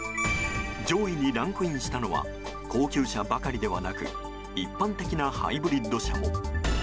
上位にランクインしたのは高級車ばかりではなく一般的なハイブリッド車も。